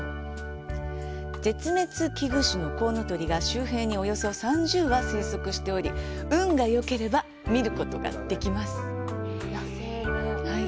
絶滅危惧種のコウノトリが周辺におよそ３０羽、生息しており運がよければ見ることができます。